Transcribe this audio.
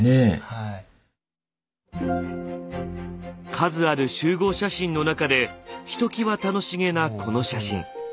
数ある集合写真の中でひときわ楽しげなこの写真。